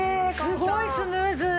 すごいスムーズ。